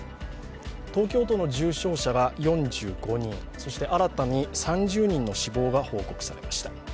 東京都の重症者が４５人、そして新たに３０人の死亡が報告されました。